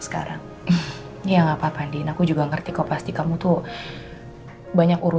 akhirnya ini udah kalau kayak oke